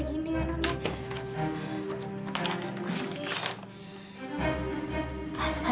ini ini pak